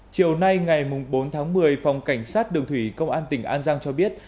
chiều nay ngày bốn tháng một mươi phòng cảnh sát đường thủy công an tỉnh an giang cho biết